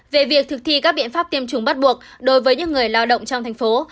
về việc thực thi các biện pháp tiêm chủng bắt buộc đối với những người lao động trong thành phố